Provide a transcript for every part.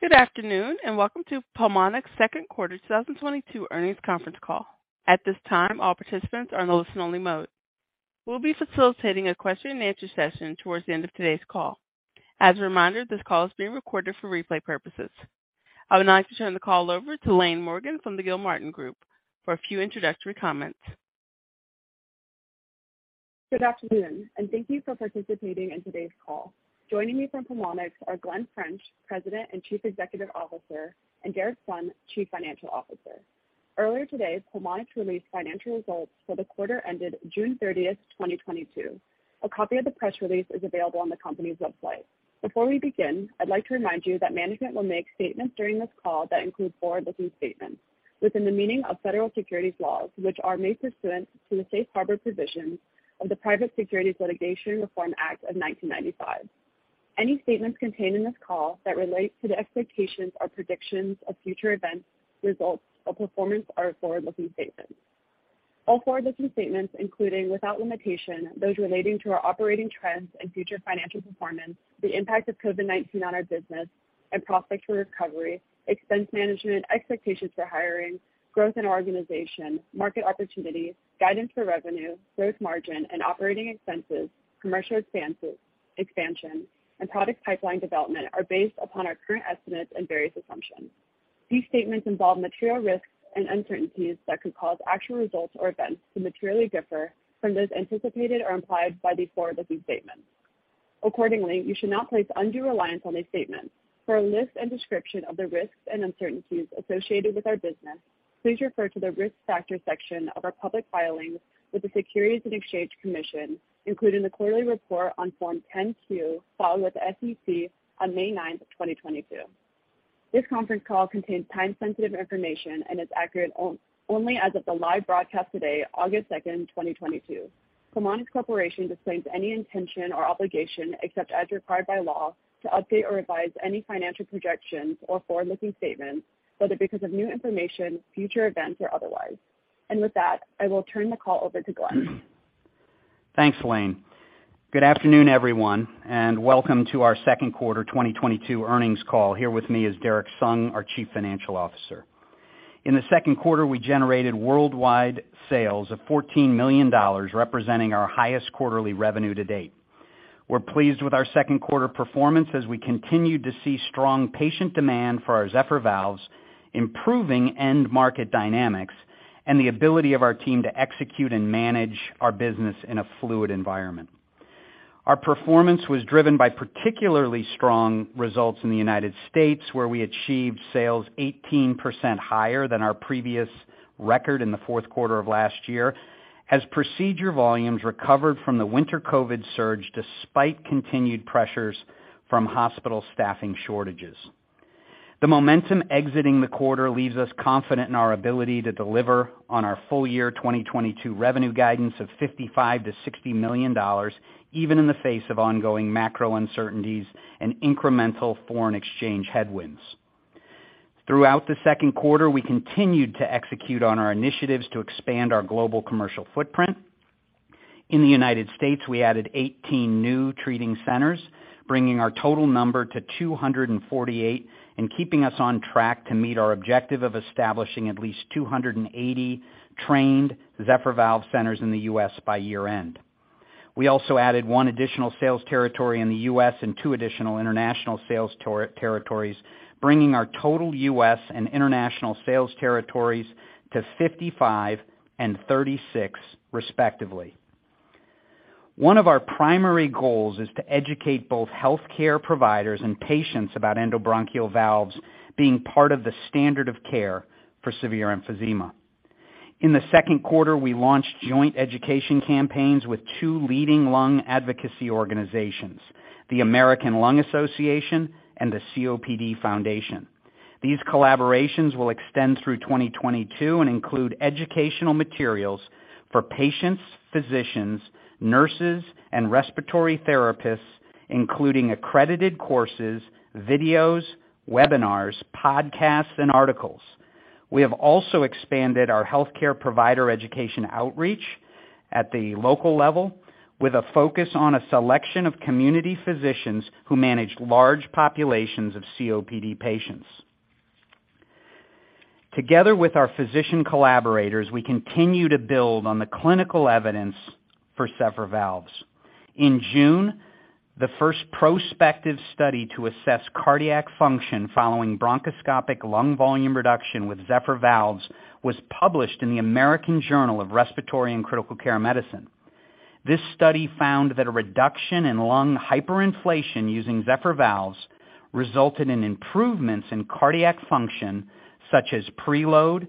Good afternoon, and welcome to Pulmonx second 1/4 2022 earnings conference call. At this time, all participants are in listen only mode. We'll be facilitating a question and answer session towards the end of today's call. As a reminder, this call is being recorded for replay purposes. I would now like to turn the call over to Laine Morgan from the Gilmartin Group for a few introductory comments. Good afternoon, and thank you for participating in today's call. Joining me from Pulmonx are Glen French, President and Chief Executive Officer, and Derrick Sung, Chief Financial Officer. Earlier today, Pulmonx released financial results for the 1/4 ended June 30, 2022. A copy of the press release is available on the company's website. Before we begin, I'd like to remind you that management will make statements during this call that include Forward-Looking statements within the meaning of federal securities laws, which are made pursuant to the Safe Harbor provisions of the Private Securities Litigation Reform Act of 1995. Any statements contained in this call that relate to the expectations or predictions of future events, results or performance are Forward-Looking statements. All Forward-Looking statements, including without limitation, those relating to our operating trends and future financial performance, the impact of COVID-19 on our business and prospects for recovery, expense management, expectations for hiring, growth in our organization, market opportunities, guidance for revenue, gross margin and operating expenses, commercial expansion, and product pipeline development, are based upon our current estimates and various assumptions. These statements involve material risks and uncertainties that could cause actual results or events to materially differ from those anticipated or implied by these Forward-Looking statements. Accordingly, you should not place undue reliance on these statements. For a list and description of the risks and uncertainties associated with our business, please refer to the Risk Factors section of our public filings with the Securities and Exchange Commission, including the quarterly report on Form 10-Q filed with the SEC on May 9, 2022. This conference call contains time-sensitive information and is accurate only as of the live broadcast today, August second, 2022. Pulmonx Corporation disclaims any intention or obligation, except as required by law, to update or revise any financial projections or Forward-Looking statements, whether because of new information, future events or otherwise. With that, I will turn the call over to Glen. Thanks, Laine. Good afternoon, everyone, and welcome to our second 1/4 2022 earnings call. Here with me is Derrick Sung, our Chief Financial Officer. In the second 1/4, we generated worldwide sales of $14 million, representing our highest quarterly revenue to date. We're pleased with our second 1/4 performance as we continued to see strong patient demand for our Zephyr Valve, improving end market dynamics, and the ability of our team to execute and manage our business in a fluid environment. Our performance was driven by particularly strong results in the United States, where we achieved sales 18% higher than our previous record in the fourth 1/4 of last year as procedure volumes recovered from the winter COVID surge, despite continued pressures from hospital staffing shortages. The momentum exiting the 1/4 leaves us confident in our ability to deliver on our full year 2022 revenue guidance of $55 million-$60 million, even in the face of ongoing macro uncertainties and incremental foreign exchange headwinds. Throughout the second 1/4, we continued to execute on our initiatives to expand our global commercial footprint. In the United States, we added 18 new treating centers, bringing our total number to 248 and keeping us on track to meet our objective of establishing at least 280 trained Zephyr Valve centers in the U.S. by year-end. We also added 1 additional sales territory in the U.S. and 2 additional international sales territories, bringing our total U.S. and international sales territories to 55 and 36 respectively. One of our primary goals is to educate both healthcare providers and patients about endobronchial valves being part of the standard of care for severe emphysema. In the second 1/4, we launched joint education campaigns with 2 leading lung advocacy organizations, the American Lung Association and the COPD Foundation. These collaborations will extend through 2022 and include educational materials for patients, physicians, nurses, and respiratory therapists, including accredited courses, videos, webinars, podcasts, and articles. We have also expanded our healthcare provider education outreach at the local level with a focus on a selection of community physicians who manage large populations of COPD patients. Together with our physician collaborators, we continue to build on the clinical evidence for Zephyr Valve. In June, the first prospective study to assess cardiac function following bronchoscopic lung volume reduction with Zephyr Valve was published in the American Journal of Respiratory and Critical Care Medicine. This study found that a reduction in lung hyperinflation using Zephyr Valve resulted in improvements in cardiac function such as preload,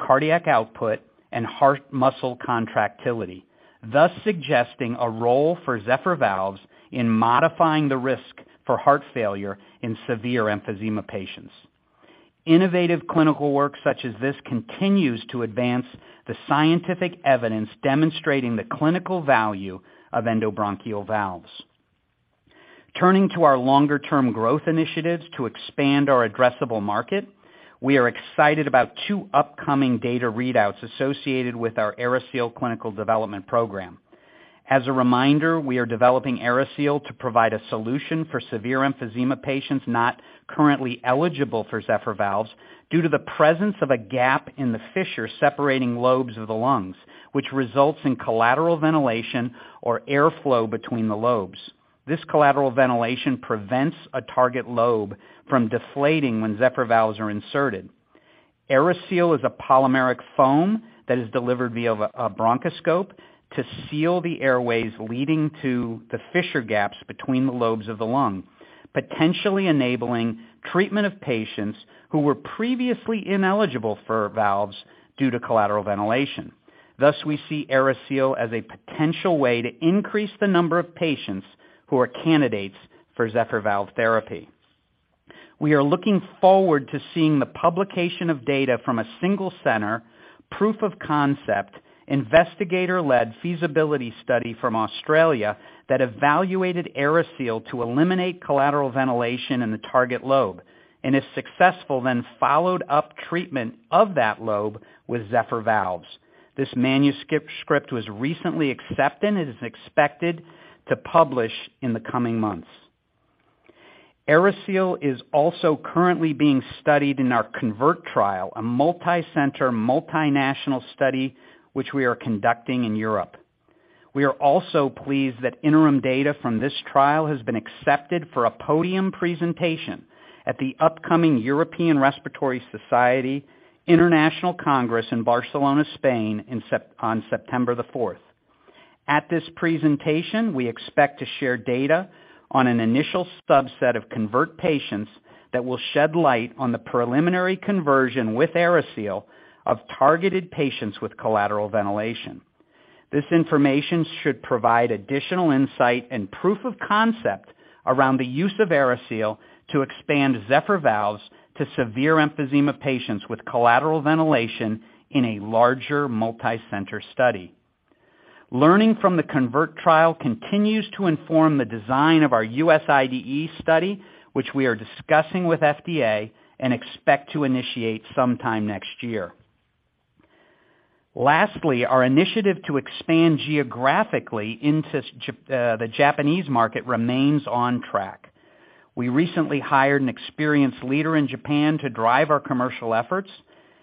cardiac output, and heart muscle contractility, thus suggesting a role for Zephyr Valve in modifying the risk for heart failure in severe emphysema patients. Innovative clinical work such as this continues to advance the scientific evidence demonstrating the clinical value of endobronchial valves. Turning to our longer term growth initiatives to expand our addressable market, we are excited about 2 upcoming data readouts associated with our AeriSeal clinical development program. As a reminder, we are developing AeriSeal to provide a solution for severe emphysema patients not currently eligible for Zephyr Valve due to the presence of a gap in the fissure separating lobes of the lungs, which results in collateral ventilation or airflow between the lobes. This collateral ventilation prevents a target lobe from deflating when Zephyr Valve are inserted. AeriSeal is a polymeric foam that is delivered via a bronchoscope to seal the airways leading to the fissure gaps between the lobes of the lung, potentially enabling treatment of patients who were previously ineligible for valves due to collateral ventilation. Thus, we see AeriSeal as a potential way to increase the number of patients who are candidates for Zephyr Valve therapy. We are looking forward to seeing the publication of data from a single center proof of concept Investigator-Led feasibility study from Australia that evaluated AeriSeal to eliminate collateral ventilation in the target lobe, and if successful, then followed up treatment of that lobe with Zephyr Valve. This manuscript was recently accepted and is expected to publish in the coming months. AeriSeal is also currently being studied in our CONVERT trial, a multicenter, multinational study which we are conducting in Europe. We are also pleased that interim data from this trial has been accepted for a podium presentation at the upcoming European Respiratory Society International Congress in Barcelona, Spain, in September on the fourth. At this presentation, we expect to share data on an initial subset of CONVERT patients that will shed light on the preliminary conversion with AeriSeal of targeted patients with collateral ventilation. This information should provide additional insight and proof of concept around the use of AeriSeal to expand Zephyr Valve to severe emphysema patients with collateral ventilation in a larger multicenter study. Learning from the CONVERT trial continues to inform the design of our U.S. IDE study, which we are discussing with FDA and expect to initiate sometime next year. Lastly, our initiative to expand geographically into the Japanese market remains on track. We recently hired an experienced leader in Japan to drive our commercial efforts,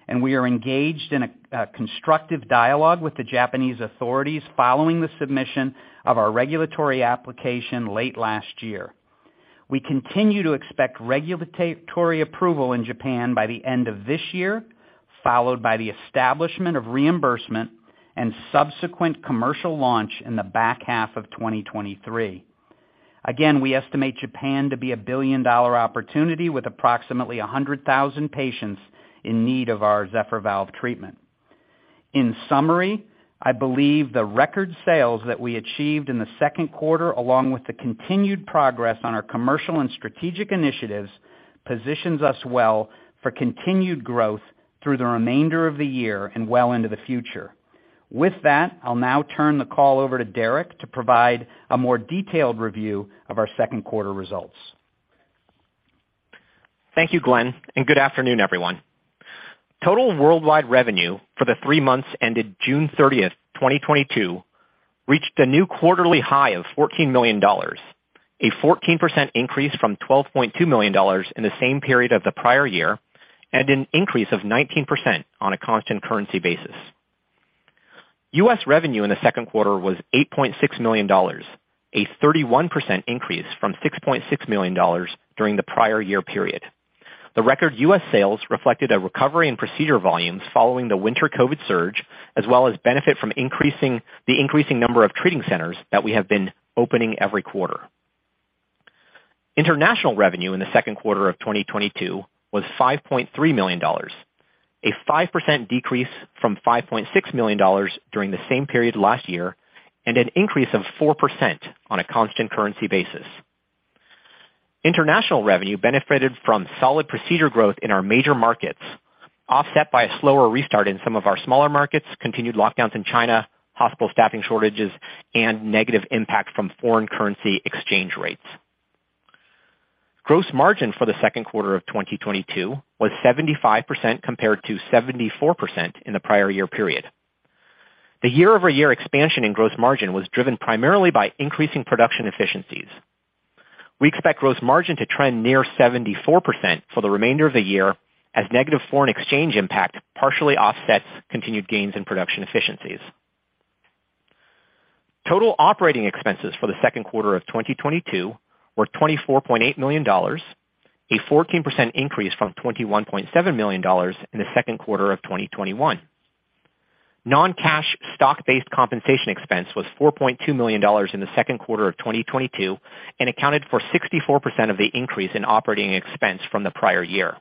and we are engaged in a constructive dialogue with the Japanese authorities following the submission of our regulatory application late last year. We continue to expect regulatory approval in Japan by the end of this year, followed by the establishment of reimbursement and subsequent commercial launch in the back 1/2 of 2023. Again, we estimate Japan to be a billion-dollar opportunity, with approximately 100,000 patients in need of our Zephyr Valve treatment. In summary, I believe the record sales that we achieved in the second 1/4, along with the continued progress on our commercial and strategic initiatives, positions us well for continued growth through the remainder of the year and well into the future. With that, I'll now turn the call over to Derrick to provide a more detailed review of our second 1/4 results. Thank you, Glen, and good afternoon, everyone. Total worldwide revenue for the 3 months ended June 30, 2022, reached a new quarterly high of $14 million, a 14% increase from $12.2 million in the same period of the prior year and an increase of 19% on a constant currency basis. US revenue in the second 1/4 was $8.6 million, a 31% increase from $6.6 million during the prior year period. The record US sales reflected a recovery in procedure volumes following the winter COVID surge, as well as benefit from the increasing number of treating centers that we have been opening every 1/4. International revenue in the second 1/4 of 2022 was $5.3 million, a 5% decrease from $5.6 million during the same period last year and an increase of 4% on a constant currency basis. International revenue benefited from solid procedure growth in our major markets, offset by a slower restart in some of our smaller markets, continued lockdowns in China, hospital staffing shortages, and negative impact from foreign currency exchange rates. Gross margin for the second 1/4 of 2022 was 75% compared to 74% in the prior year period. The year-over-year expansion in gross margin was driven primarily by increasing production efficiencies. We expect gross margin to trend near 74% for the remainder of the year, as negative foreign exchange impact partially offsets continued gains in production efficiencies. Total operating expenses for the second 1/4 of 2022 were $24.8 million, a 14% increase from $21.7 million in the second 1/4 of 2021. Non-Cash stock-based compensation expense was $4.2 million in the second 1/4 of 2022 and accounted for 64% of the increase in operating expense from the prior year.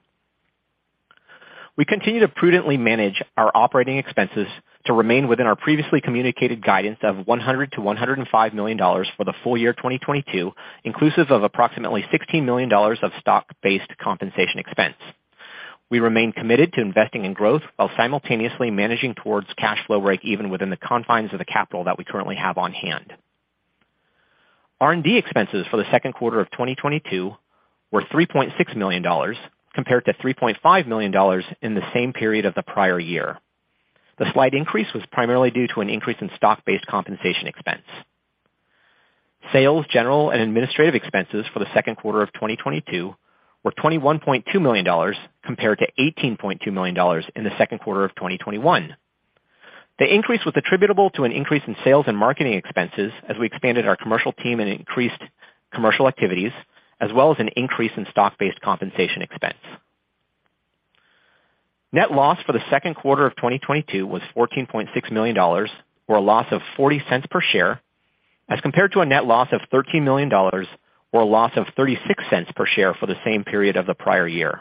We continue to prudently manage our operating expenses to remain within our previously communicated guidance of $100-$105 million for the full year 2022, inclusive of approximately $16 million of stock-based compensation expense. We remain committed to investing in growth while simultaneously managing towards cash flow break-even within the confines of the capital that we currently have on hand. R&D expenses for the second 1/4 of 2022 were $3.6 million compared to $3.5 million in the same period of the prior year. The slight increase was primarily due to an increase in stock-based compensation expense. Sales, general and administrative expenses for the second 1/4 of 2022 were $21.2 million compared to $18.2 million in the second 1/4 of 2021. The increase was attributable to an increase in sales and marketing expenses as we expanded our commercial team and increased commercial activities, as well as an increase in stock-based compensation expense. Net loss for the second 1/4 of 2022 was $14.6 million, or a loss of $0.40 per share, as compared to a net loss of $13 million or a loss of $0.36 per share for the same period of the prior year.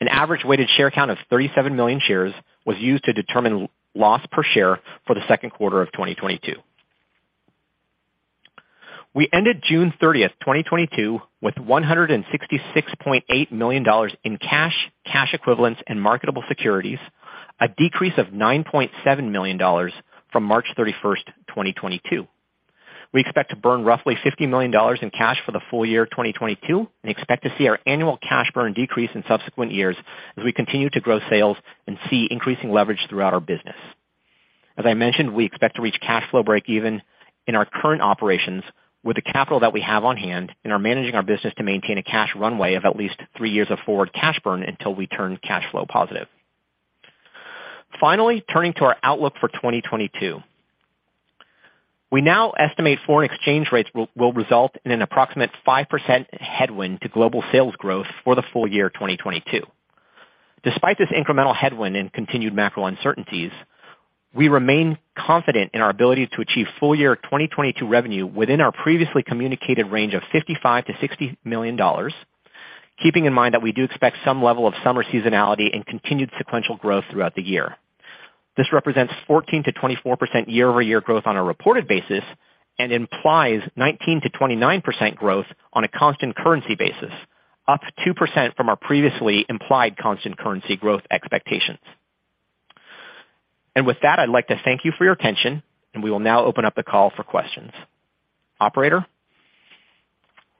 An average weighted share count of 37 million shares was used to determine loss per share for the second 1/4 of 2022. We ended June 30, 2022, with $166.8 million in cash equivalents and marketable securities, a decrease of $9.7 million from March 31, 2022. We expect to burn roughly $50 million in cash for the full year of 2022, and expect to see our annual cash burn decrease in subsequent years as we continue to grow sales and see increasing leverage throughout our business. As I mentioned, we expect to reach cash flow break even in our current operations with the capital that we have on hand and are managing our business to maintain a cash runway of at least 3 years of forward cash burn until we turn cash flow positive. Finally, turning to our outlook for 2022. We now estimate foreign exchange rates will result in an approximate 5% headwind to global sales growth for the full year 2022. Despite this incremental headwind and continued macro uncertainties, we remain confident in our ability to achieve full year 2022 revenue within our previously communicated range of $55-$60 million, keeping in mind that we do expect some level of summer seasonality and continued sequential growth throughout the year. This represents 14%-24% year-over-year growth on a reported basis, and implies 19%-29% growth on a constant currency basis, up 2% from our previously implied constant currency growth expectations. With that, I'd like to thank you for your attention, and we will now open up the call for questions. Operator?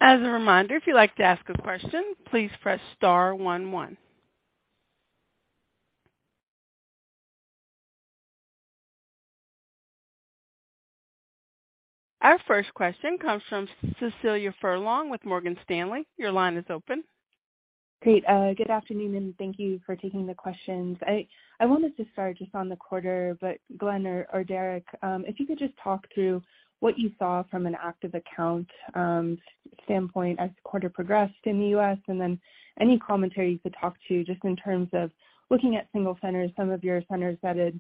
As a reminder, if you'd like to ask a question, please press star one one. Our first question comes from Cecilia Furlong with Morgan Stanley. Your line is open. Great. Good afternoon, and thank you for taking the questions. I wanted to start just on the 1/4, but Glen or Derrick, if you could just talk through what you saw from an active account standpoint as the 1/4 progressed in the U.S., and then any commentary you could talk to just in terms of looking at single centers, some of your centers that had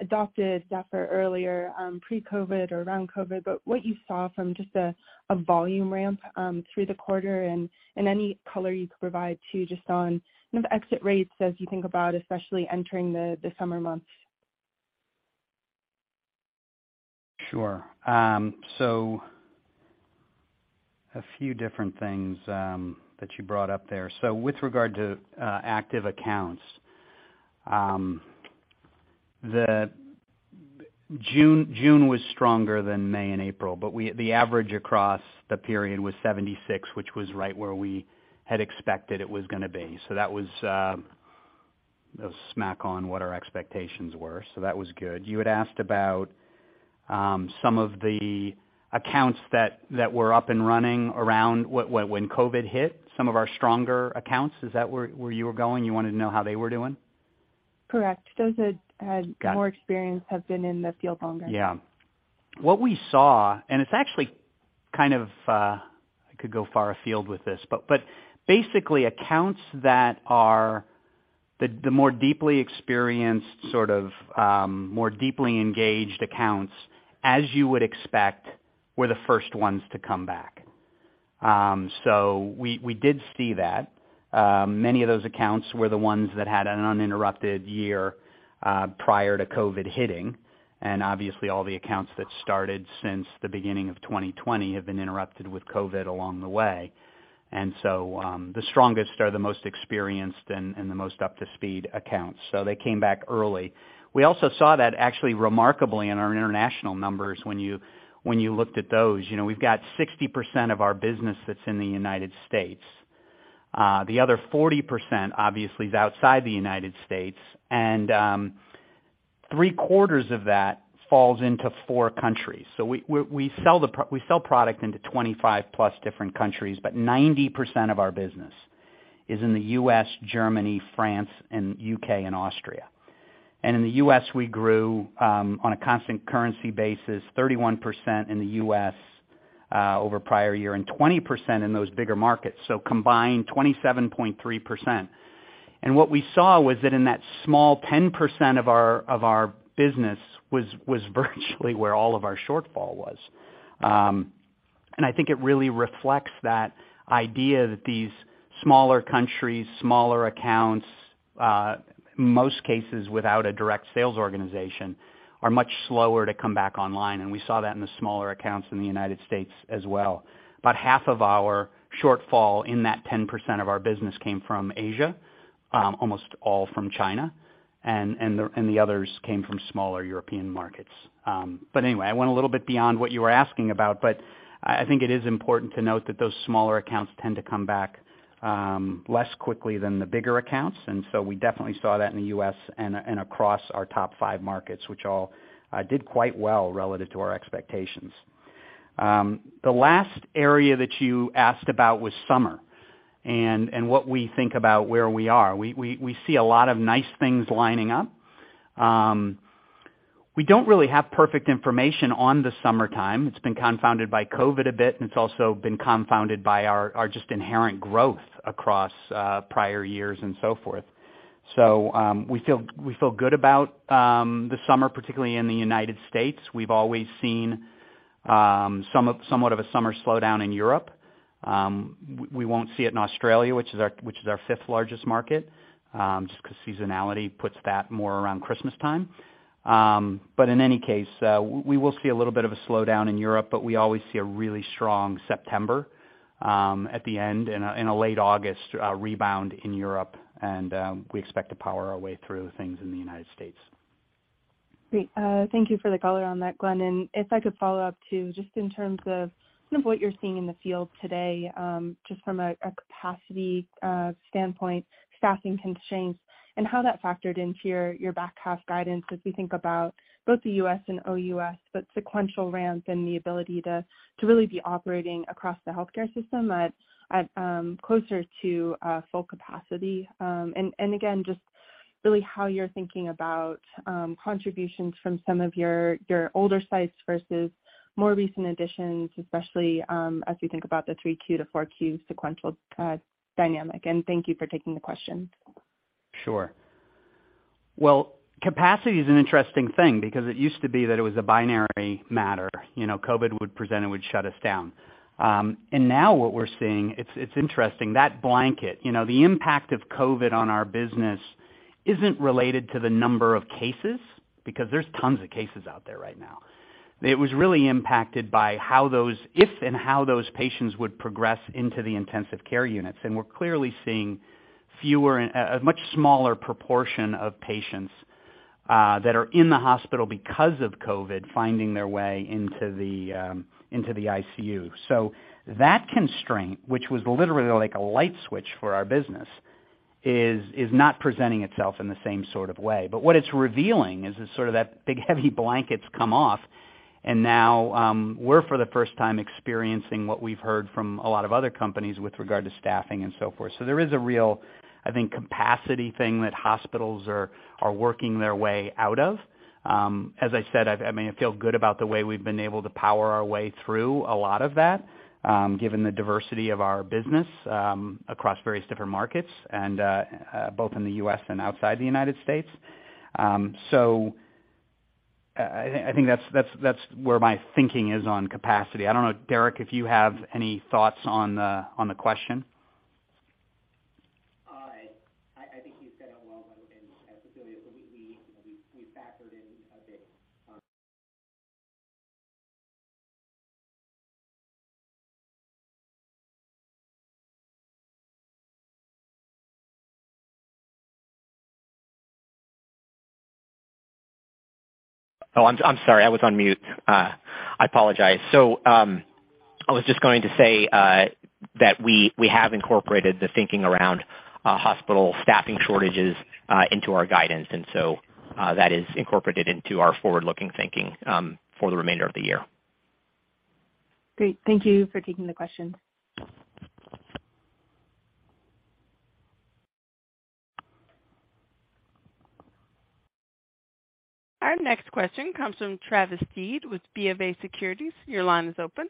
adopted Zephyr earlier, Pre-COVID or around COVID, but what you saw from just a volume ramp through the 1/4 and any color you could provide to just on kind of exit rates as you think about especially entering the summer months. Sure. A few different things that you brought up there. With regard to active accounts, June was stronger than May and April, but the average across the period was 76, which was right where we had expected it was gonna be. That was a smack on what our expectations were. That was good. You had asked about some of the accounts that were up and running around when COVID hit, some of our stronger accounts. Is that where you were going? You wanted to know how they were doing? Correct. Got it. More experience, have been in the field longer. Yeah. What we saw, and it's actually kind of, I could go far afield with this, but basically accounts that are the more deeply experienced, sort of, more deeply engaged accounts, as you would expect, were the first ones to come back. We did see that. Many of those accounts were the ones that had an uninterrupted year prior to COVID hitting, and obviously all the accounts that started since the beginning of 2020 have been interrupted with COVID along the way. The strongest are the most experienced and the most up to speed accounts, so they came back early. We also saw that actually remarkably in our international numbers when you looked at those. You know, we've got 60% of our business that's in the United States. The other 40% obviously is outside the United States and 3 quarters of that falls into four countries. We sell product into 25+ different countries, but 90% of our business is in the U.S., Germany, France, U.K. and Austria. In the U.S. we grew on a constant currency basis 31% in the U.S. over prior year and 20% in those bigger markets. Combined, 27.3%. What we saw was that in that small 10% of our business was virtually where all of our shortfall was. I think it really reflects that idea that these smaller countries, smaller accounts. Most cases without a direct sales organization are much slower to come back online, and we saw that in the smaller accounts in the United States as well. About 1/2 of our shortfall in that 10% of our business came from Asia, almost all from China, and the others came from smaller European markets. Anyway, I went a little bit beyond what you were asking about, but I think it is important to note that those smaller accounts tend to come back less quickly than the bigger accounts. We definitely saw that in the US and across our top 5 markets, which all did quite well relative to our expectations. The last area that you asked about was summer and what we think about where we are. We see a lot of nice things lining up. We don't really have perfect information on the summertime. It's been confounded by COVID a bit, and it's also been confounded by our just inherent growth across prior years and so forth. We feel good about the summer, particularly in the United States. We've always seen somewhat of a summer slowdown in Europe. We won't see it in Australia, which is our fifth largest market, just 'cause seasonality puts that more around Christmas time. In any case, we will see a little bit of a slowdown in Europe, but we always see a really strong September at the end, and a late August rebound in Europe. We expect to power our way through things in the United States. Great. Thank you for the color on that, Glen. If I could follow up too, just in terms of kind of what you're seeing in the field today, just from a capacity standpoint, staffing constraints and how that factored into your back 1/2 guidance as we think about both the US and OUS, but sequential ramps and the ability to really be operating across the healthcare system at closer to full capacity. Again, just really how you're thinking about contributions from some of your older sites versus more recent additions, especially as we think about the 3 Q to four Q sequential dynamic. Thank you for taking the question. Sure. Well, capacity is an interesting thing because it used to be that it was a binary matter. You know, COVID would present, it would shut us down. Now what we're seeing, it's interesting, that blanket. You know, the impact of COVID on our business isn't related to the number of cases because there's tons of cases out there right now. It was really impacted by if and how those patients would progress into the intensive care units. We're clearly seeing fewer and a much smaller proportion of patients that are in the hospital because of COVID finding their way into the ICU. So that constraint, which was literally like a light switch for our business, is not presenting itself in the same sort of way. What it's revealing is that sort of big, heavy blanket's come off and now we're for the first time experiencing what we've heard from a lot of other companies with regard to staffing and so forth. There is a real, I think, capacity thing that hospitals are working their way out of. As I said, I mean, I feel good about the way we've been able to power our way through a lot of that, given the diversity of our business, across various different markets and both in the U.S. and outside the United States. I think that's where my thinking is on capacity. I don't know, Derrick, if you have any thoughts on the question. I think you said it well, and Cecilia, we factored in a bit. Oh, I'm sorry, I was on mute. I apologize. I was just going to say that we have incorporated the thinking around hospital staffing shortages into our guidance. That is incorporated into our Forward-Looking thinking for the remainder of the year. Great. Thank you for taking the question. Our next question comes from Travis Steed with BofA Securities. Your line is open.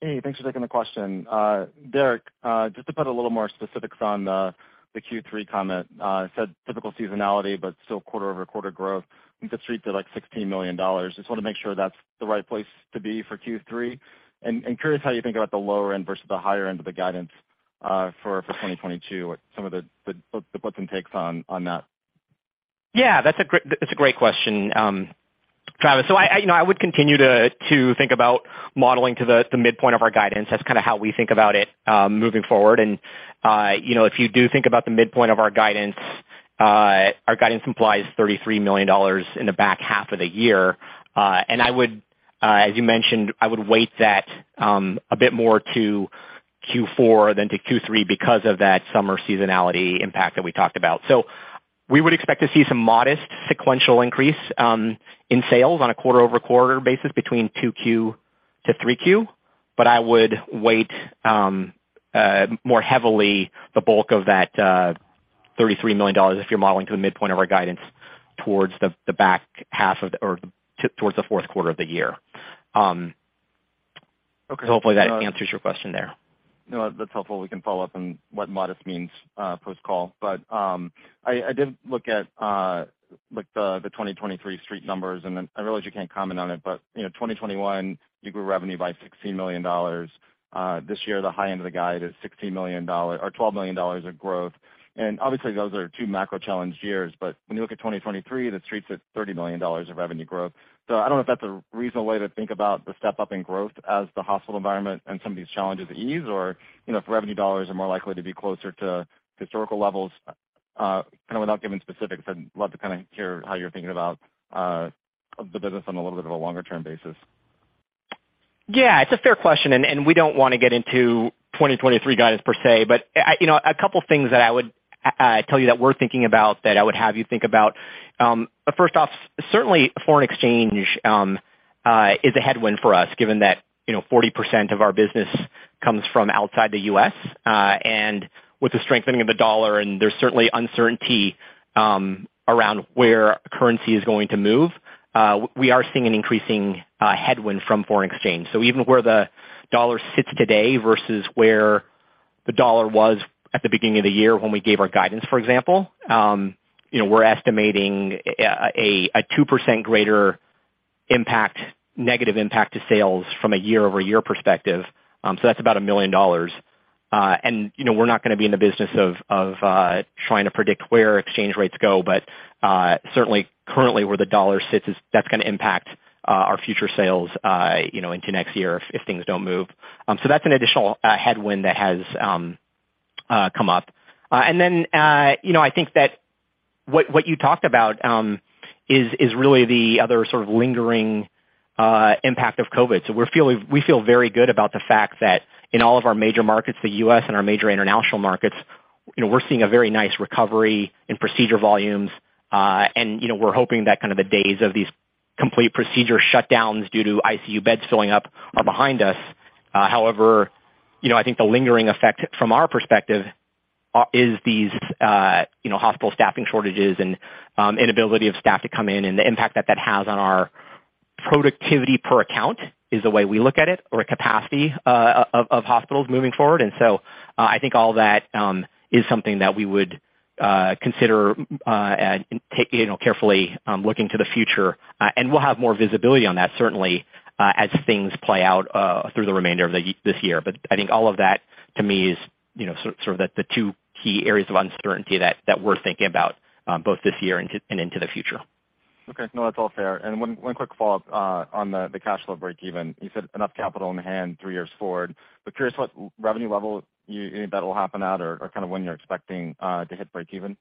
Hey, thanks for taking the question. Derrick, just to put a little more specifics on the Q3 comment, said typical seasonality, but still quarter-over-quarter growth. I think the street did like $16 million. Just wanna make sure that's the right place to be for Q3. Curious how you think about the lower end versus the higher end of the guidance for 2022. What some of the puts and takes on that. Yeah, that's a great question, Travis. You know, I would continue to think about modeling to the midpoint of our guidance. That's kind of how we think about it, moving forward. You know, if you do think about the midpoint of our guidance, our guidance implies $33 million in the back 1/2 of the year. As you mentioned, I would weight that a bit more to Q4 than to Q3 because of that summer seasonality impact that we talked about. We would expect to see some modest sequential increase in sales on a 1/4-over-quarter basis between 2Q to 3Q. I would weigh more heavily the bulk of that $33 million if you're modeling to the midpoint of our guidance towards the back 1/2 or towards the fourth 1/4 of the year. Okay. Hopefully that answers your question there. No, that's helpful. We can follow up on what modest means post-call. I did look at like the 2023 street numbers. I realize you can't comment on it, you know, 2021, you grew revenue by $16 million. This year, the high end of the guide is $16 million or $12 million of growth. Obviously, those are 2 macro challenged years. When you look at 2023, the street's at $30 million of revenue growth. I don't know if that's a reasonable way to think about the step-up in growth as the hospital environment and some of these challenges ease or, you know, if revenue dollars are more likely to be closer to historical levels. Kind of without giving specifics, I'd love to kinda hear how you're thinking about the business on a little bit of a longer-term basis. Yeah, it's a fair question, and we don't wanna get into 2023 guidance per se. You know, a couple of things that I would tell you that we're thinking about that I would have you think about. First off, certainly foreign exchange is a headwind for us, given that, you know, 40% of our business comes from outside the U.S. And with the strengthening of the dollar, there's certainly uncertainty around where currency is going to move. We are seeing an increasing headwind from foreign exchange. Even where the dollar sits today versus where the dollar was at the beginning of the year when we gave our guidance, for example, you know, we're estimating a 2% greater impact, negative impact to sales from a year-over-year perspective. That's about $1 million. You know, we're not gonna be in the business of trying to predict where exchange rates go, but certainly currently where the dollar sits is. That's gonna impact our future sales, you know, into next year if things don't move. That's an additional headwind that has come up. You know, I think that what you talked about is really the other sort of lingering impact of COVID. We feel very good about the fact that in all of our major markets, the U.S. and our major international markets, you know, we're seeing a very nice recovery in procedure volumes. you know, we're hoping that kind of the days of these complete procedure shutdowns due to ICU beds filling up are behind us. However, you know, I think the lingering effect from our perspective is these, you know, hospital staffing shortages and inability of staff to come in and the impact that that has on our productivity per account is the way we look at it or capacity of hospitals moving forward. I think all that is something that we would consider and take you know carefully looking to the future. We'll have more visibility on that certainly as things play out through the remainder of this year. I think all of that to me is, you know, sort of the 2 key areas of uncertainty that we're thinking about, both this year and into the future. Okay. No, that's all fair. One quick Follow-Up on the cash flow breakeven. You said enough capital in hand 3 years forward. Curious what revenue level you think that'll happen at or kind of when you're expecting to hit breakeven.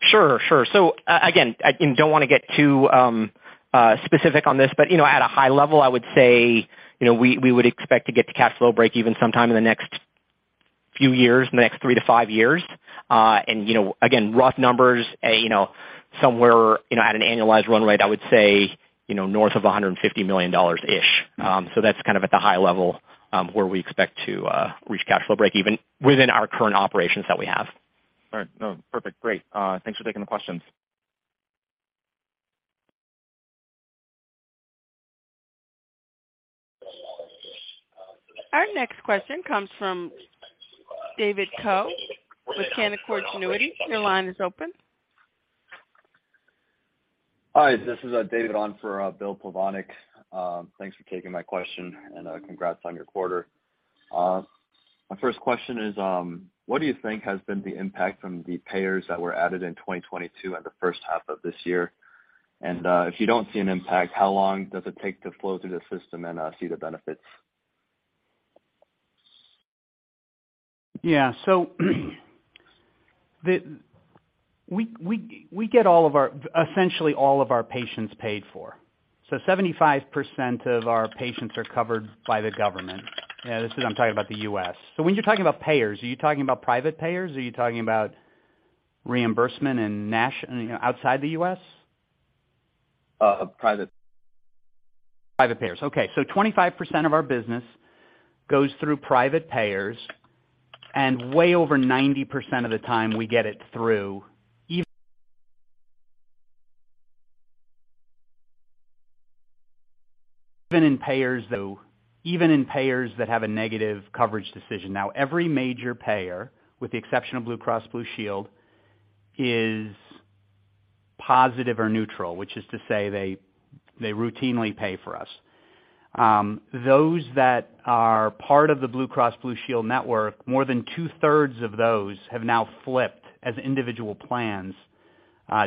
Sure, sure. Again, I don't wanna get too specific on this, but you know, at a high level, I would say, you know, we would expect to get to cash flow breakeven sometime in the next few years, in the next 3-5 years. You know, again, rough numbers, you know, somewhere, you know, at an annualized run rate, I would say, you know, north of $150 million each. That's kind of at the high level, where we expect to reach cash flow breakeven within our current operations that we have. All right. No, perfect. Great. Thanks for taking the questions. Our next question comes from David Ko with Canaccord Genuity. Your line is open. Hi, this is David on for Bill Plovanic. Thanks for taking my question and congrats on your 1/4. My first question is, what do you think has been the impact from the payers that were added in 2022 and the first 1/2 of this year? If you don't see an impact, how long does it take to flow through the system and see the benefits? We get essentially all of our patients paid for. 75% of our patients are covered by the government. Yeah, this is, I'm talking about the U.S. When you're talking about payers, are you talking about private payers? Are you talking about reimbursement and outside the U.S.? Private. Private payers. Okay, so 25% of our business goes through private payers, and way over 90% of the time, we get it through, even in payers that have a negative coverage decision. Now, every major payer, with the exception of Blue Cross Blue Shield, is positive or neutral, which is to say they routinely pay for us. Those that are part of the Blue Cross Blue Shield network, more than 2-1/3s of those have now flipped as individual plans,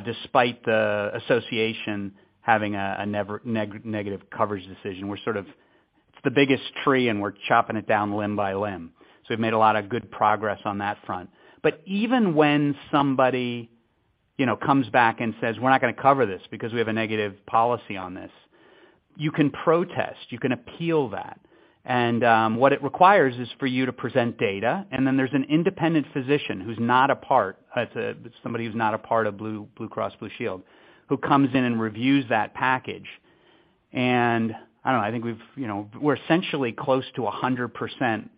despite the association having a negative coverage decision. It's the biggest tree, and we're chopping it down limb by limb. We've made a lot of good progress on that front. Even when somebody, you know, comes back and says, "We're not gonna cover this because we have a negative policy on this," you can protest, you can appeal that. What it requires is for you to present data, and then there's an independent physician who's not a part of Blue Cross Blue Shield, who comes in and reviews that package. I don't know, I think we've, you know, we're essentially close to 100%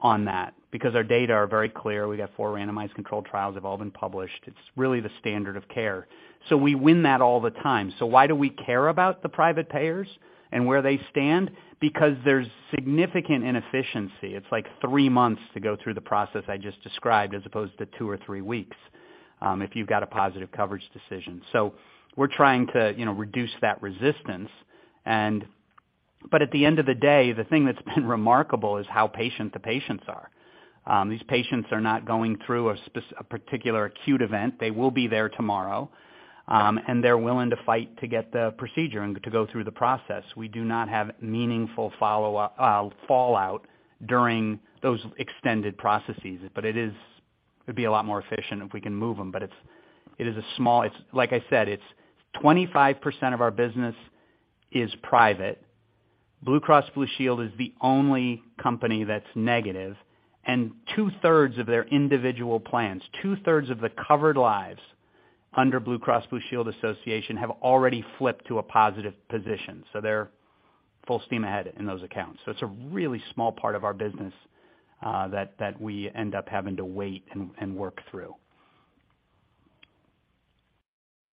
on that because our data are very clear. We got four randomized controlled trials, have all been published. It's really the standard of care. We win that all the time. Why do we care about the private payers and where they stand? Because there's significant inefficiency. It's like 3 months to go through the process I just described, as opposed to 2 or 3 weeks, if you've got a positive coverage decision. We're trying to, you know, reduce that resistance and. At the end of the day, the thing that's been remarkable is how patient the patients are. These patients are not going through a particular acute event. They will be there tomorrow, and they're willing to fight to get the procedure and to go through the process. We do not have meaningful fallout during those extended processes, but it is. It'd be a lot more efficient if we can move them. It's, it is a small. Like I said, it's 25% of our business is private. Blue Cross Blue Shield is the only company that's negative, and 2-1/3s of their individual plans, 2-1/3s of the covered lives under Blue Cross Blue Shield Association have already flipped to a positive position. They're full steam ahead in those accounts. It's a really small part of our business that we end up having to wait and work through.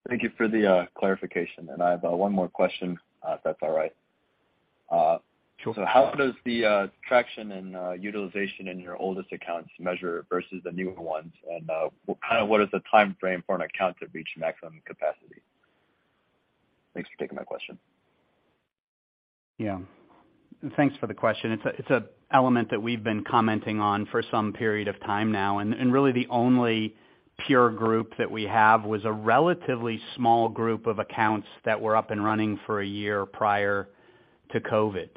Thank you for the clarification. I have one more question, if that's all right. Sure. How does the traction and utilization in your oldest accounts measure versus the newer ones? What is the timeframe for an account to reach maximum capacity? Thanks for taking my question. Yeah. Thanks for the question. It's an element that we've been commenting on for some period of time now. Really the only pure group that we have was a relatively small group of accounts that were up and running for a year prior to COVID.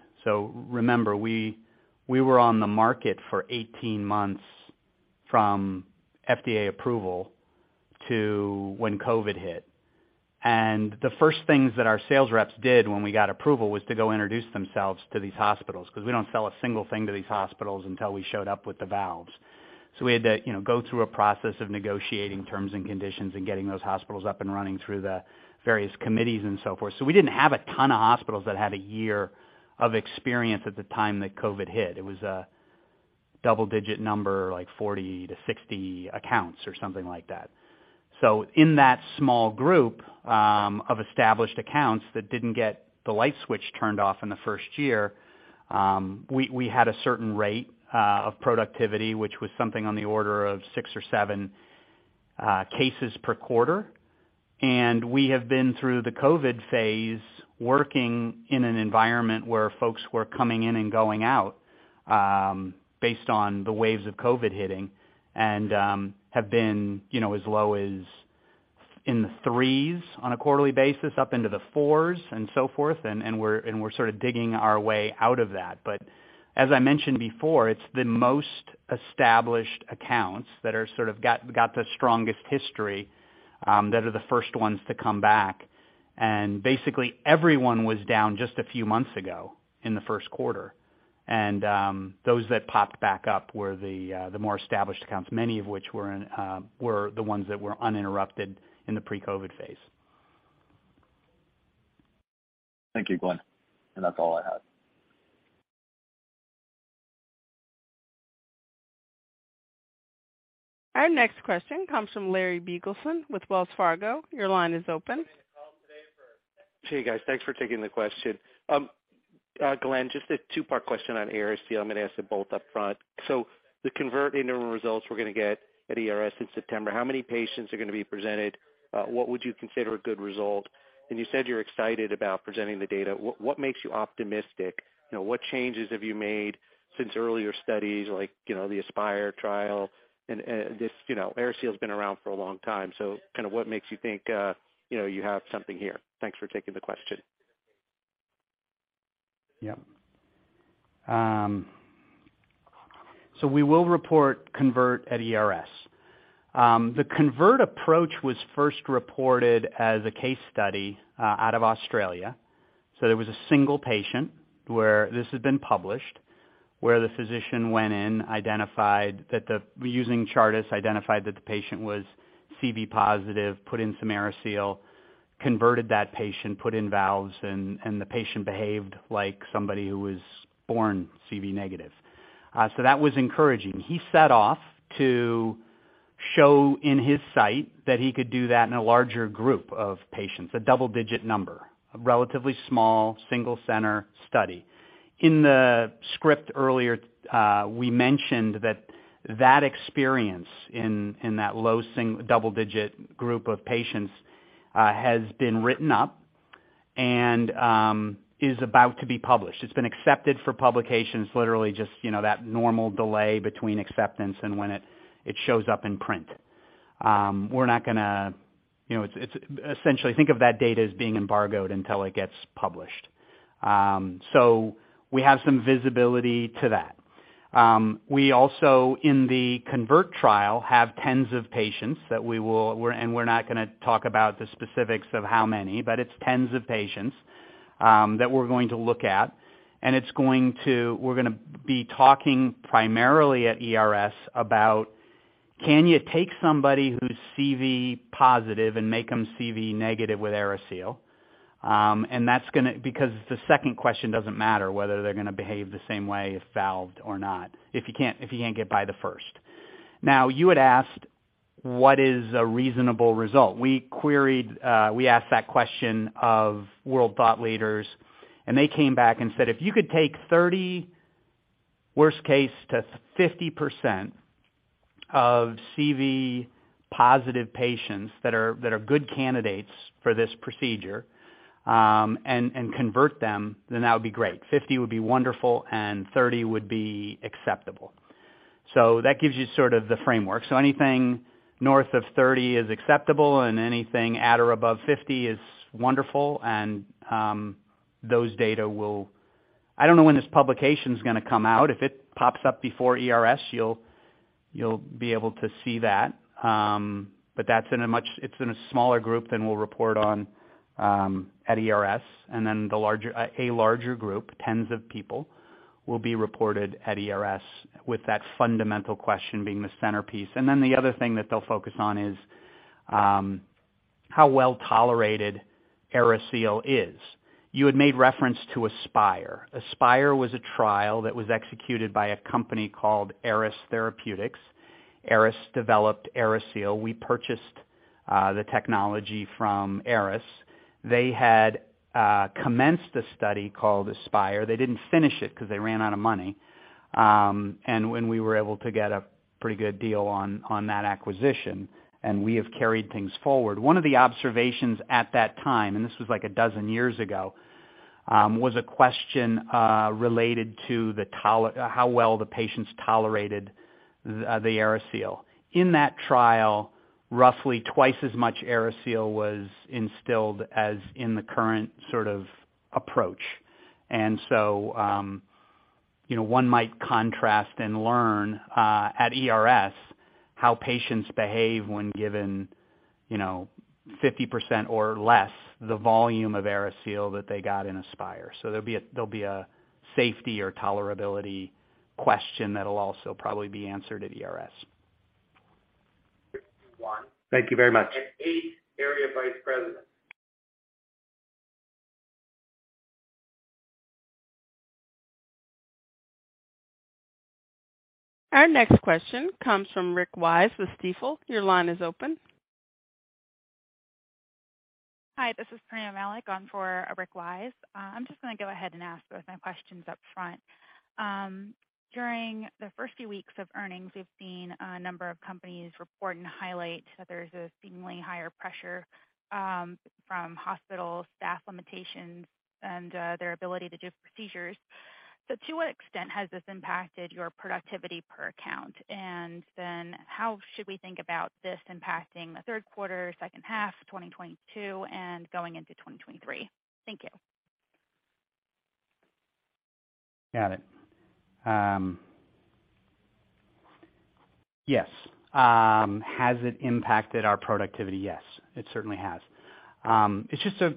Remember, we were on the market for 18 months from FDA approval to when COVID hit. The first things that our sales reps did when we got approval was to go introduce themselves to these hospitals, because we don't sell a single thing to these hospitals until we showed up with the valves. We had to, you know, go through a process of negotiating terms and conditions and getting those hospitals up and running through the various committees and so forth. We didn't have a ton of hospitals that had a year of experience at the time that COVID hit. It was a Double-Digit number, like 40-60 accounts or something like that. In that small group of established accounts that didn't get the light switch turned off in the first year, we had a certain rate of productivity, which was something on the order of 6 or 7 cases per 1/4. We have been through the COVID phase, working in an environment where folks were coming in and going out based on the waves of COVID hitting, and have been, you know, as low as in the 3s on a quarterly basis, up into the 4s and so forth, and we're sort of digging our way out of that. As I mentioned before, it's the most established accounts that got the strongest history that are the first ones to come back. Basically, everyone was down just a few months ago in the first 1/4. Those that popped back up were the more established accounts, many of which were the ones that were uninterrupted in the Pre-COVID phase. Thank you, Glen. That's all I have. Our next question comes from Larry Biegelsen with Wells Fargo. Your line is open. Hey, guys. Thanks for taking the question. Glen, just a 2-part question on AeriSeal. I'm gonna ask it both upfront. The CONVERT interim results we're gonna get at ERS in September, how many patients are gonna be presented? What would you consider a good result? You said you're excited about presenting the data. What makes you optimistic? You know, what changes have you made since earlier studies like, you know, the ASPIRE trial? This, you know, AeriSeal has been around for a long time. Kinda what makes you think, you know, you have something here? Thanks for taking the question. We will report CONVERT at ERS. The CONVERT approach was first reported as a case study out of Australia. There was a single patient where this has been published, where the physician went in, identified that the patient was CV positive using Chartis, put in some AeriSeal, converted that patient, put in valves, and the patient behaved like somebody who was been CV negative. That was encouraging. He set off to show in his site that he could do that in a larger group of patients, a Double-Digit number, a relatively small single center study. In the script earlier, we mentioned that that experience in that Double-Digit group of patients has been written up and is about to be published. It's been accepted for publication, literally, just, you know, that normal delay between acceptance and when it shows up in print. We're not gonna. You know, it's essentially, think of that data as being embargoed until it gets published. So we have some visibility to that. We also, in the CONVERT trial, have tens of patients. We're not gonna talk about the specifics of how many, but it's tens of patients that we're going to look at. We're gonna be talking primarily at ERS about can you take somebody who's CV positive and make them CV negative with AeriSeal. Because the second question doesn't matter, whether they're gonna behave the same way, valved or not, if you can't get by the first. Now, you had asked what is a reasonable result. We queried, we asked that question of world thought leaders, and they came back and said, "If you could take 30, worst case, to 50% of CV positive patients that are good candidates for this procedure, and convert them, then that would be great. 50 would be wonderful and 30 would be acceptable." That gives you sort of the framework. Anything north of 30 is acceptable and anything at or above 50 is wonderful. Those data will. I don't know when this publication is going to come out. If it pops up before ERS, you'll be able to see that. But that's in a smaller group than we'll report on at ERS. A larger group, tens of people, will be reported at ERS with that fundamental question being the centerpiece. The other thing that they'll focus on is how well tolerated AeriSeal is. You had made reference to ASPIRE. ASPIRE was a trial that was executed by a company called Aeris Therapeutics. Aeris developed AeriSeal. We purchased the technology from Aeris. They had commenced a study called ASPIRE. They didn't finish it because they ran out of money. When we were able to get a pretty good deal on that acquisition, and we have carried things forward. One of the observations at that time, and this was like a dozen years ago, was a question related to how well the patients tolerated the AeriSeal. In that trial, roughly twice as much AeriSeal was instilled as in the current sort of approach. One might contrast and learn at ERS how patients behave when given, you know, 50% or less the volume of AeriSeal that they got in ASPIRE. There'll be a safety or tolerability question that'll also probably be answered at ERS. Thank you very much. Eight area vice presidents. Our next question comes from Rick Wise with Stifel. Your line is open. Hi, this is Priya Malik on for Rick Wise. I'm just gonna go ahead and ask both my questions up front. During the first few weeks of earnings, we've seen a number of companies report and highlight that there's a seemingly higher pressure from hospital staff limitations and their ability to do procedures. To what extent has this impacted your productivity per account? And then how should we think about this impacting the 1/3 1/4, second 1/2 of 2022 and going into 2023? Thank you. Got it. Yes. Has it impacted our productivity? Yes, it certainly has. It's just a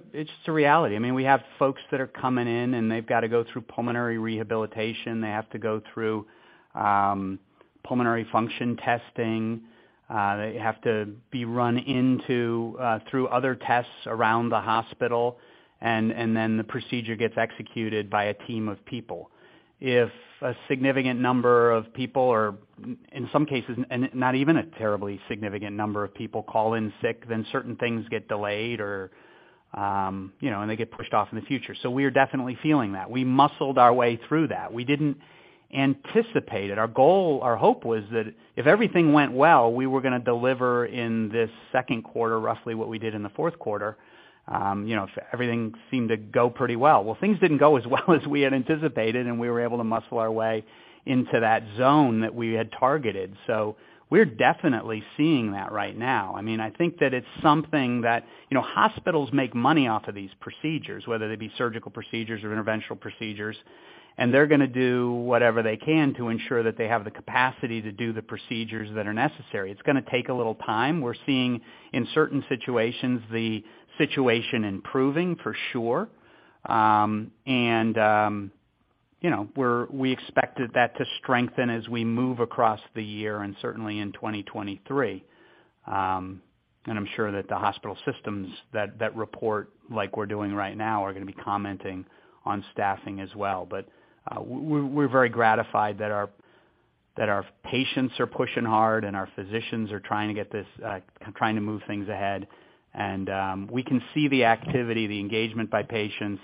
reality. I mean, we have folks that are coming in, and they've got to go through pulmonary rehabilitation. They have to go through pulmonary function testing. They have to be run through other tests around the hospital. Then the procedure gets executed by a team of people. If a significant number of people, or in some cases and not even a terribly significant number of people call in sick, then certain things get delayed or, you know, and they get pushed off in the future. We are definitely feeling that. We muscled our way through that. We didn't anticipate it. Our hope was that if everything went well, we were gonna deliver in this second 1/4, roughly what we did in the fourth 1/4, you know, if everything seemed to go pretty well. Well, things didn't go as well as we had anticipated, and we were able to muscle our way into that zone that we had targeted. We're definitely seeing that right now. I mean, I think that it's something that, you know, hospitals make money off of these procedures, whether they be surgical procedures or interventional procedures, and they're gonna do whatever they can to ensure that they have the capacity to do the procedures that are necessary. It's gonna take a little time. We're seeing in certain situations the situation improving for sure. You know, we expected that to strengthen as we move across the year and certainly in 2023. I'm sure that the hospital systems that report like we're doing right now are gonna be commenting on staffing as well. We're very gratified that our patients are pushing hard and our physicians are trying to move things ahead. We can see the activity, the engagement by patients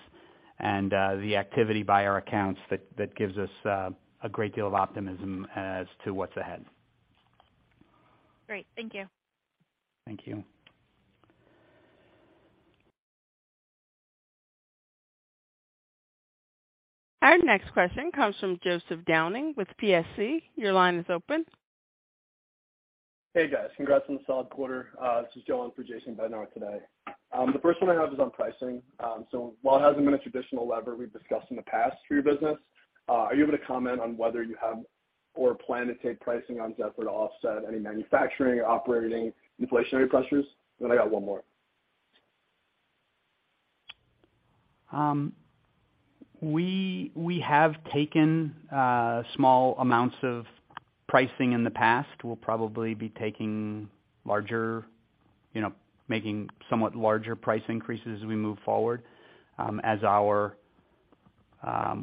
and the activity by our accounts that gives us a great deal of optimism as to what's ahead. Great. Thank you. Thank you. Our next question comes from Joseph Downing with Piper Sandler. Your line is open. Hey, guys. Congrats on the solid 1/4. This is Joe on for Jason Bednar today. The first one I have is on pricing. While it hasn't been a traditional lever we've discussed in the past for your business, are you able to comment on whether you have or plan to take pricing on Zephyr to offset any manufacturing or operating inflationary pressures? I got one more. We have taken small amounts of pricing in the past. We'll probably be taking larger, you know, making somewhat larger price increases as we move forward.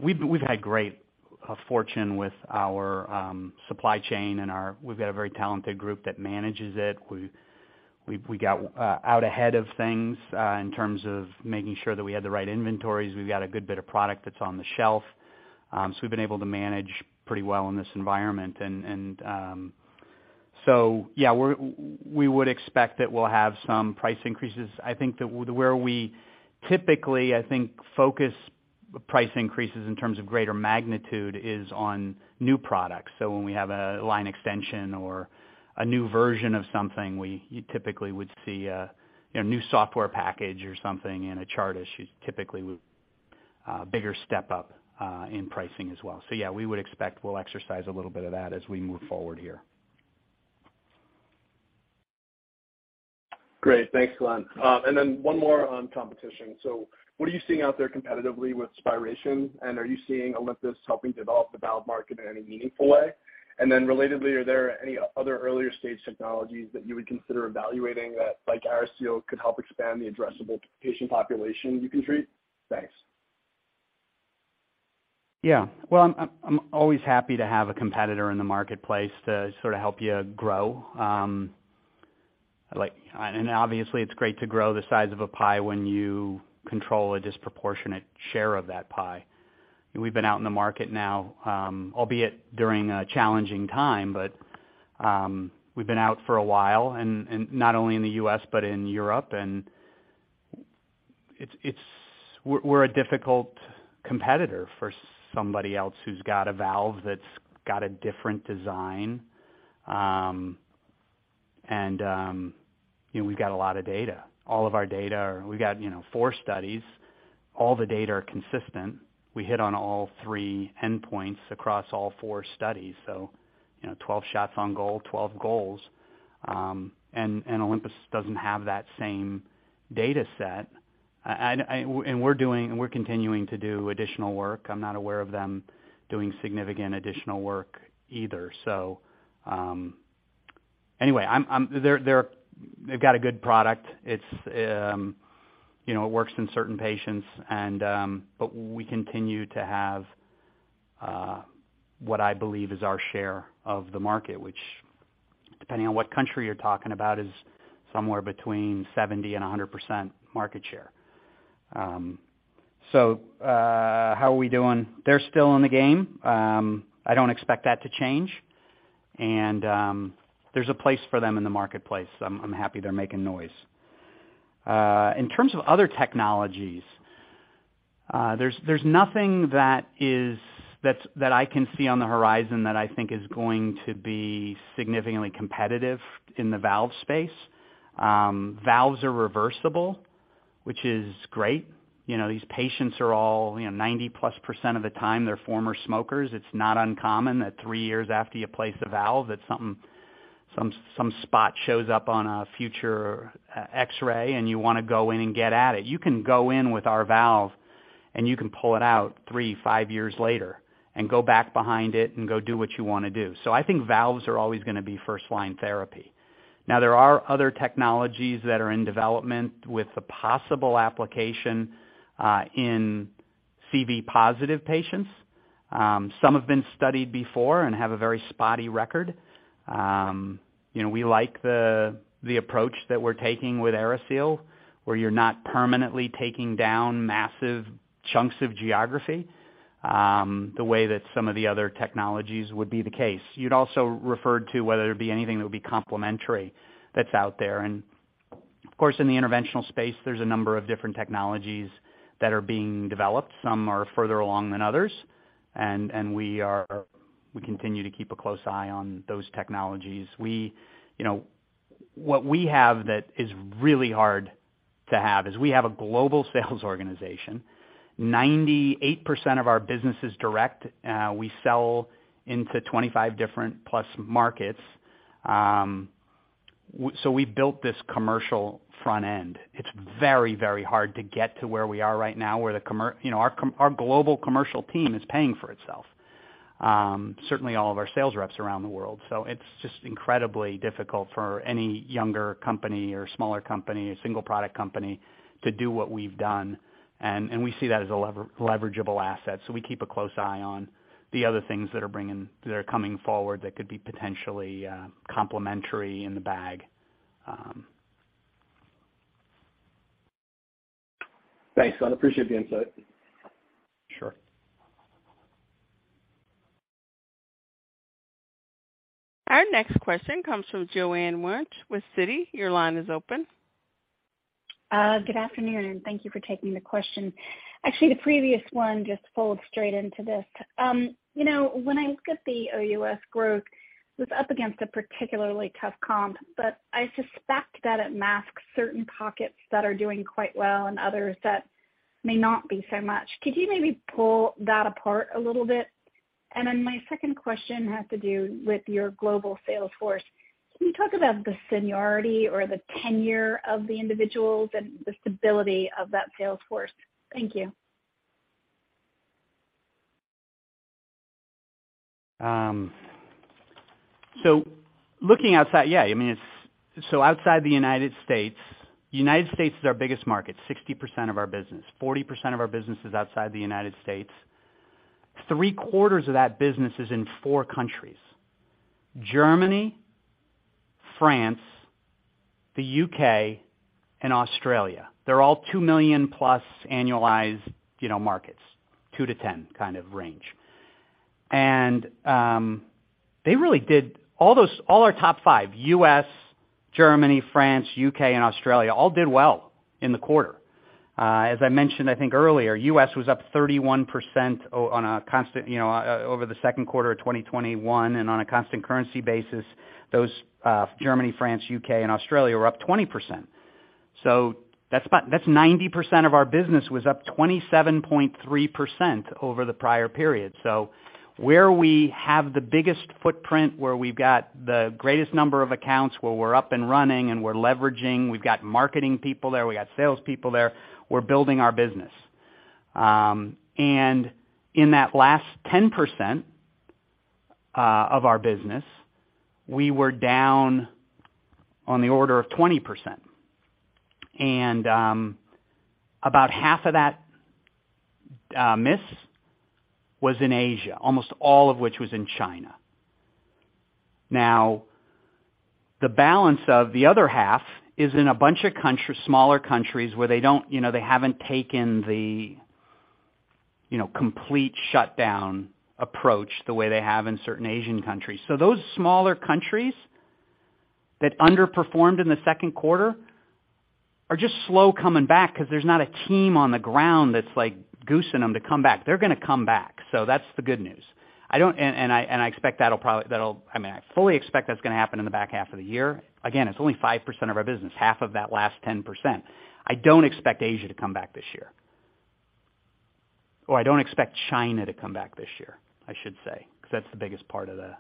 We've had great fortune with our supply chain, and we've got a very talented group that manages it. We got out ahead of things in terms of making sure that we had the right inventories. We've got a good bit of product that's on the shelf. We've been able to manage pretty well in this environment. Yeah, we would expect that we'll have some price increases. I think that where we typically, I think, focus price increases in terms of greater magnitude is on new products. When we have a line extension or a new version of something, we typically would see a, you know, new software package or something in a chart issue, typically bigger step up in pricing as well. Yeah, we would expect we'll exercise a little bit of that as we move forward here. Great. Thanks, Glen. One more on competition. What are you seeing out there competitively with Spiration, and are you seeing Olympus helping develop the valve market in any meaningful way? Relatedly, are there any other earlier stage technologies that you would consider evaluating that, like AeriSeal, could help expand the addressable patient population you can treat? Thanks. Yeah. Well, I'm always happy to have a competitor in the marketplace to sort of help you grow. Like, obviously, it's great to grow the size of a pie when you control a disproportionate share of that pie. We've been out in the market now, albeit during a challenging time, but we've been out for a while and not only in the U.S., but in Europe. We're a difficult competitor for somebody else who's got a valve that's got a different design. You know, we've got a lot of data. We got, you know, four studies. All the data are consistent. We hit on all 3 endpoints across all four studies. You know, 12 shots on goal, 12 goals, and Olympus doesn't have that same data set. We're continuing to do additional work. I'm not aware of them doing significant additional work either. Anyway, they've got a good product. It's, you know, it works in certain patients and but we continue to have what I believe is our share of the market, which depending on what country you're talking about, is somewhere between 70%-100% market share. How are we doing? They're still in the game. I don't expect that to change. There's a place for them in the marketplace. I'm happy they're making noise. In terms of other technologies, there's nothing that I can see on the horizon that I think is going to be significantly competitive in the valve space. Valves are reversible, which is great. You know, these patients are all, you know, 90%+ of the time they're former smokers. It's not uncommon that 3 years after you place a valve that some spot shows up on a future X-ray and you wanna go in and get at it. You can go in with our valve and you can pull it out 3, 5 years later and go back behind it and go do what you wanna do. So I think valves are always gonna be First-Line therapy. Now, there are other technologies that are in development with the possible application in CV positive patients. Some have been studied before and have a very spotty record. You know, we like the approach that we're taking with AeriSeal, where you're not permanently taking down massive chunks of geography, the way that some of the other technologies would be the case. You'd also referred to whether it be anything that would be complementary that's out there. Of course, in the interventional space, there's a number of different technologies that are being developed. Some are further along than others, we continue to keep a close eye on those technologies. You know, what we have that is really hard to have is we have a global sales organization. 98% of our business is direct. We sell into 25 different plus markets. So we built this commercial front end. It's very, very hard to get to where we are right now, where the commercial, you know, our global commercial team is paying for itself, certainly all of our sales reps around the world. It's just incredibly difficult for any younger company or smaller company, a single product company, to do what we've done. We see that as a leverageable asset. We keep a close eye on the other things that are coming forward that could be potentially complementary in the bag. Thanks. I appreciate the insight. Sure. Our next question comes from Joanne Wuensch with Citi. Your line is open. Good afternoon, and thank you for taking the question. Actually, the previous one just folds straight into this. You know, when I look at the OUS growth was up against a particularly tough comp, but I suspect that it masks certain pockets that are doing quite well and others that may not be so much. Could you maybe pull that apart a little bit? Then my second question has to do with your global sales force. Can you talk about the seniority or the tenure of the individuals and the stability of that sales force? Thank you. Looking outside, yeah, I mean, it's so outside the United States. United States is our biggest market, 60% of our business. 40% of our business is outside the United States. Three quarters of that business is in four countries, Germany, France, the U.K., and Australia. They're all $2 million-plus annualized, you know, markets, $2-$10 million kind of range. They really did all our top 5, U.S., Germany, France, U.K. and Australia, all did well in the 1/4. As I mentioned, I think earlier, U.S. was up 31% on a constant, you know, over the second 1/4 of 2021. On a constant currency basis, those, Germany, France, U.K. and Australia were up 20%. That's 9ty percent of our business was up 27.3% over the prior period. Where we have the biggest footprint, where we've got the greatest number of accounts, where we're up and running and we're leveraging, we've got marketing people there, we've got salespeople there, we're building our business. In that last 10% of our business, we were down on the order of 20%. About 1/2 of that miss was in Asia, almost all of which was in China. Now, the balance of the other 1/2 is in a bunch of countries, smaller countries, where they don't, you know, they haven't taken the, you know, complete shutdown approach the way they have in certain Asian countries. Those smaller countries that underperformed in the second 1/4 are just slow coming back because there's not a team on the ground that's like goosing them to come back. They're gonna come back, so that's the good news. I mean, I fully expect that's gonna happen in the back 1/2 of the year. Again, it's only 5% of our business, 1/2 of that last 10%. I don't expect Asia to come back this year. I don't expect China to come back this year, I should say, because that's the biggest part of the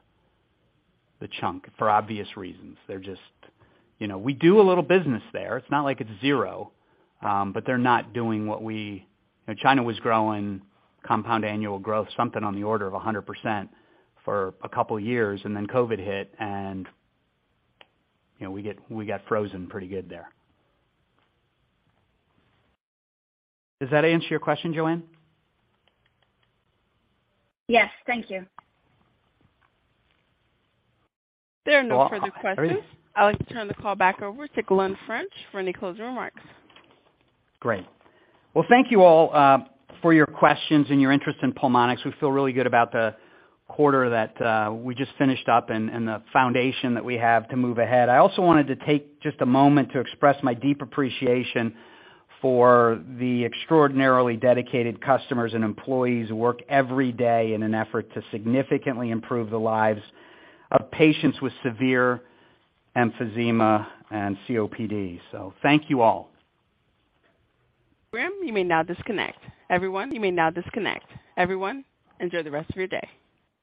chunk for obvious reasons. They're just, you know, we do a little business there. It's not like it's zero. But they're not doing what we. You know, China was growing compound annual growth, something on the order of 100% for a couple years, and then COVID hit and, you know, we got frozen pretty good there. Does that answer your question, Joanne? Yes, thank you. There are no further questions. I'll turn the call back over to Glen French for any closing remarks. Great. Well, thank you all for your questions and your interest in Pulmonx. We feel really good about the 1/4 that we just finished up and the foundation that we have to move ahead. I also wanted to take just a moment to `my deep appreciation for the extraordinarily dedicated customers and employees who work every day in an effort to significantly improve the lives of patients with severe emphysema and COPD. Thank you all. You may now disconnect. Everyone, you may now disconnect. Everyone, enjoy the rest of your day.